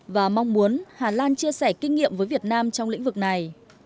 và mong muốn hà lan chia sẻ kinh nghiệm với việt nam trong lĩnh vực này